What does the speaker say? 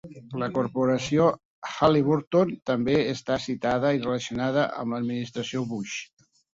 La corporació Halliburton també està citada i relacionada amb l"administració Bush.